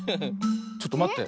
ちょっとまって。